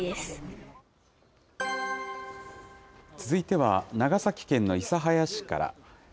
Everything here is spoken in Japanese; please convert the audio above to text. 続いては、長崎県の諫早市から。